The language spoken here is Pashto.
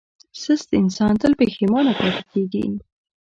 سست انسان تل پښېمانه پاتې کېږي.